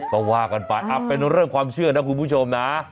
ก็ว่ากันไปเป็นเรื่องความเชื่อนะคุณผู้ชมนะ